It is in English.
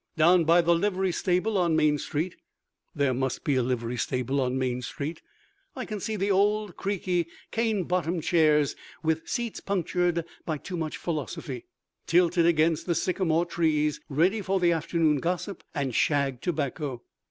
Down by the livery stable on Main street (there must be a livery stable on Main street) I can see the old creaky, cane bottomed chairs (with seats punctured by too much philosophy) tilted against the sycamore trees, ready for the afternoon gossip and shag tobacco.